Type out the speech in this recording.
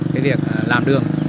cái việc làm đường